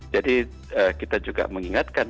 jadi kita juga mengingatkan